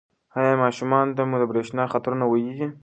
ایا ماشومانو ته مو د برېښنا د خطرونو ویلي دي؟